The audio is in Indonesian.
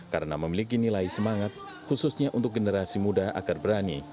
karena memiliki nilai semangat khususnya untuk generasi muda agar berani